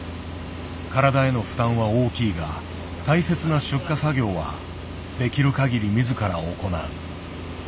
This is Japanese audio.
体への負担は大きいが大切な出荷作業はできる限り自ら行う。